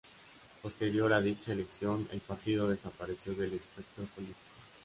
Posterior a dicha elección, el partido desapareció del espectro político.